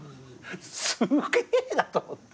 すげえなと思って。